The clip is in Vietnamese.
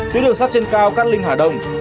tuyết đường sắt trên cao cát linh hà đông